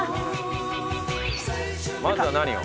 まずは何を？